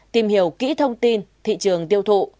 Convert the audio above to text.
tìm hiểu kỹ thông tin thị trường tiêu thụ